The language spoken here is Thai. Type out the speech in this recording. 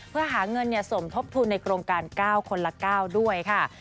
เพื่อหาเงินสมทบทุนในโครงการ๙คนละ๙ด้วยค่ะ